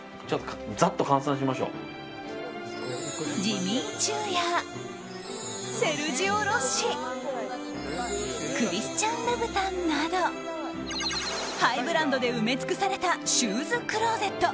ジミーチュウやセルジオロッシクリスチャンルブタンなどハイブランドで埋め尽くされたシューズクローゼット。